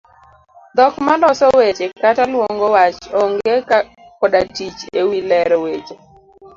Dhok ma loso weche kata luong'o wach onge' koda tich ewi lero weche.